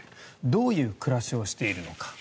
どういう暮らしをしているのか。